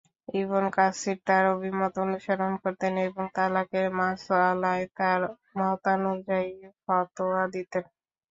Ibn Kathir তার অভিমত অনুসরণ করতেন এবং তালাকের মাসআলায় তার মতানুযায়ী ফতোয়া দিতেন।